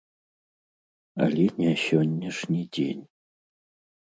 Але не сённяшні дзень.